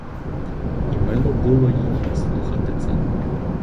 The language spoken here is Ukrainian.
І мило було їй слухати це.